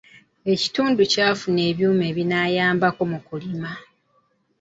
Ekitundu kyafuna ebyuma ebinaayambako mu kulima.